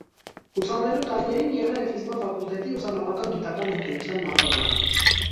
Ուսանելու տարիներին եղել է ֆիզմաթ ֆակուլտետի ուսանողական գիտական ընկերության նախագահը։